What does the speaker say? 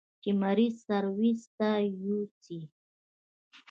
چې مريض سرويس ته يوسي.